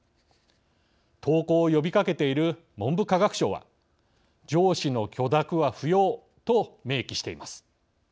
投稿を呼びかけている文部科学省は上司の許諾は不要と明記しています。